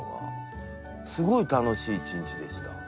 すごい楽しい一日でした。